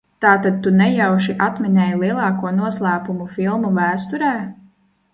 Tātad tu nejauši atminēji lielāko noslēpumu filmu vēsturē?